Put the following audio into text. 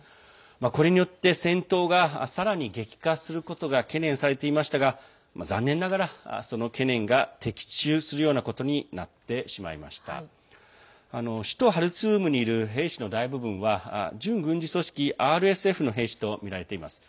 これによって戦闘がさらに激化することが懸念されていましたが残念ながら、その懸念が的中するようなことになってしまいました。首都ハルツームにいる兵士の大部分は準軍事組織ＲＳＦの兵士とみられています。